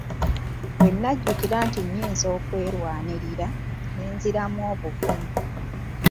Bwe najjukira nti nnyinza okwerwanirira, ne nziramu obuvumu.